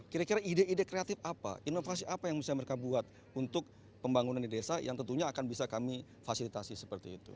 kira kira ide ide kreatif apa inovasi apa yang bisa mereka buat untuk pembangunan di desa yang tentunya akan bisa kami fasilitasi seperti itu